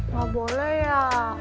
gak boleh ya